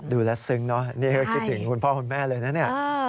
ดูแลสึงเนอะคิดถึงคุณพ่อคุณแม่เลยนะ